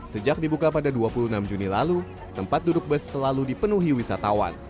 sejak dibuka pada dua puluh enam juni lalu tempat duduk bus selalu dipenuhi wisatawan